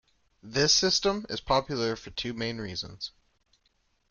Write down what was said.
This system is popular for two main reasons.